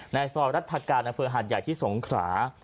ในซอร์รัฐการณ์อเผือหัดอย่างที่สงขรา